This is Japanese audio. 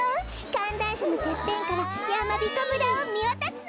かんらんしゃのてっぺんからやまびこ村をみわたすの！